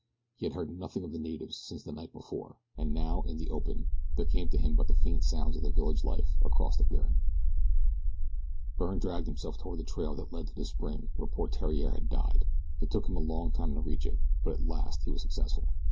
He had heard nothing of the natives since the night before, and now, in the open, there came to him but the faint sounds of the village life across the clearing. Byrne dragged himself toward the trail that led to the spring where poor Theriere had died. It took him a long time to reach it, but at last he was successful.